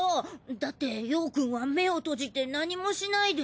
だって葉くんは目を閉じて何もしないで。